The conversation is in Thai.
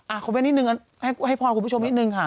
อ่าคุณแม่นนิดหนึ่งให้พรคุณผู้ชมนิดหนึ่งค่ะ